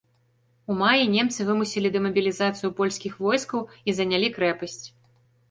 У маі немцы вымусілі дэмабілізацыю польскіх войскаў і занялі крэпасць.